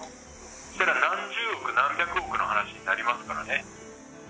それは何十億何百億の話になりますからね。